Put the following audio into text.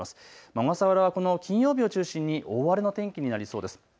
小笠原は金曜日を中心に大荒れの天気になりそうです。